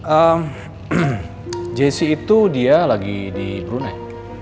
ehm jessi itu dia lagi di brunei